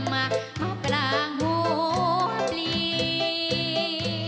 อยากกินจับปลอดน้ำและแตงโมง